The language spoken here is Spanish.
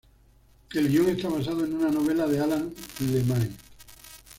El guion está basado en una novela de Alan Le May.